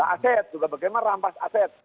aset juga bagaimana rampas aset